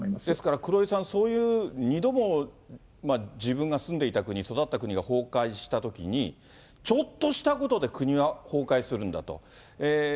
ですから、黒井さん、そういう２度も自分が住んでいた国、育った国が崩壊したときに、ちょっとしたことで国は崩壊するんだと。